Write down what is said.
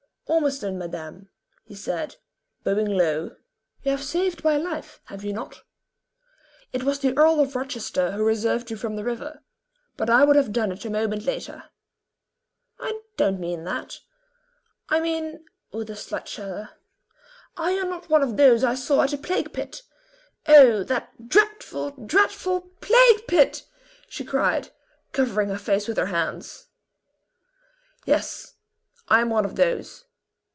"Ormiston, madame," he said, bowing low. "You have saved my life, have you not?" "It was the Earl of Rochester who reserved you from the river; but I would have done it a moment later." "I do not mean that. I mean" with a slight shudder "are you not one of those I saw at the plague pit? Oh! that dreadful, dreadful plague pit!" she cried, covering her face with her hands. "Yes. I am one of those."